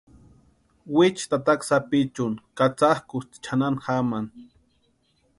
Wichu tataka sapichuni katsakʼusti chʼanani jamani.